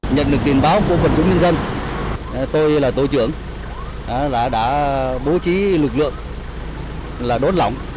nhận được tin báo của quần chú nhân dân tôi là tổ trưởng đã bố trí lực lượng đốt lỏng